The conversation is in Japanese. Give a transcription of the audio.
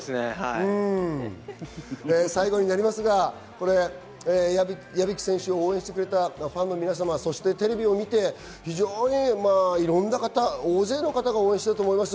最後に屋比久選手を応援してくれたファンの皆様、テレビを見ていろんな方、大勢の方が応援していたと思います。